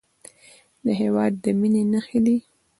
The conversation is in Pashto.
د هېواد د مینې نښې